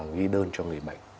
ghi đơn cho người bệnh